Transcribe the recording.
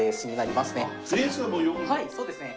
はいそうですね。